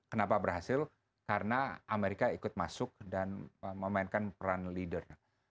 kenapa berhasil karena amerika ikut masuk dan memainkan peran leader